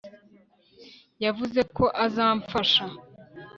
yavuze ko azamfasha